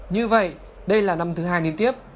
như vậy đây là năm thứ hai liên tiếp